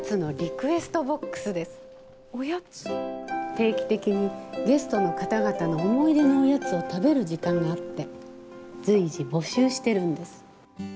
定期的にゲストの方々の思い出のおやつを食べる時間があって随時募集してるんです。